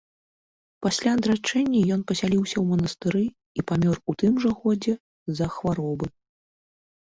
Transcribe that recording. Пасля адрачэння ён пасяліўся ў манастыры і памёр у тым жа годзе з-за хваробы.